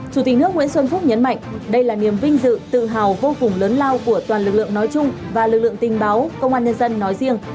chủ tịch nước nguyễn xuân phúc nhấn mạnh đây là niềm vinh dự tự hào vô cùng lớn lao của toàn lực lượng nói chung và lực lượng tình báo công an nhân dân nói riêng